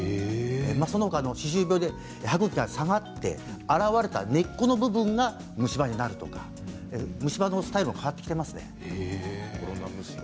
そのほか歯周病で歯ぐきが下がって現れた根っこの部分が虫歯になるとか虫歯のスタイルも変わってきていますね。